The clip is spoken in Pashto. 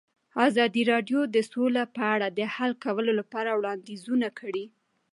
ازادي راډیو د سوله په اړه د حل کولو لپاره وړاندیزونه کړي.